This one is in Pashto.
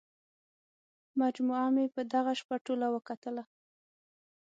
مجموعه مې په دغه شپه ټوله وکتله.